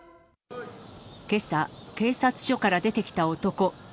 けさ、警察署から出てきた男。